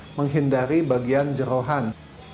termasuk menghindari bagian jerohan